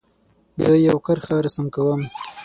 زه یو کرښه رسم کوم.